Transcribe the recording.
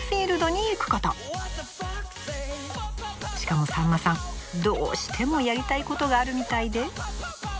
しかもさんまさんどうしてもやりたいことがあるみたいで。